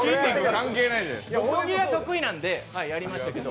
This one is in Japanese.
これは得意なんでやりましたけど。